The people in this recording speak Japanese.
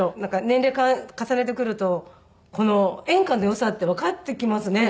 年齢重ねてくると演歌の良さってわかってきますね。